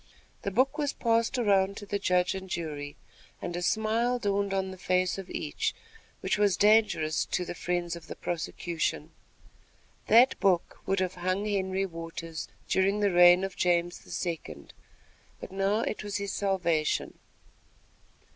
The book was passed around to the Judge and Jury, and a smile dawned on the face of each, which was dangerous to the friends of the prosecution. That book would have hung Henry Waters during the reign of James II.; but now it was his salvation.